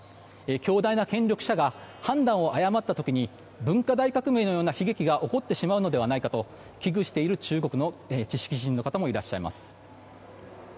強大な権力者が判断を誤った時に文化大革命のような悲劇が起こってしまうのではないかと危惧している、中国の知識人の方もいらっしゃいます。